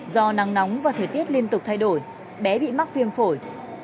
do nắng nóng và thời tiết liên tục thay đổi bé bị mắc viêm phổi